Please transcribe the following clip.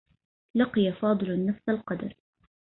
لقي فاضل نفس القدر.